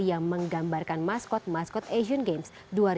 yang menggambarkan maskot maskot asian games dua ribu delapan belas